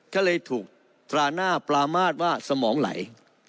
ก็เลยถูกตราหน้าปรามาทว่าสมองไหล